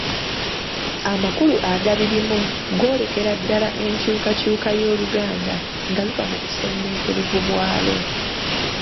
Amakulu agabirimu goolekera ddala enkyukakyuka y’Oluganda nga luva mu buseneekerevu bwalwo